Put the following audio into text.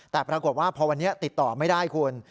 แต่ปรากฏว่าพอวันนี้ติดต่อไม่ได้คุณ